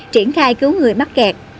triển khai cứu người mắc kẹt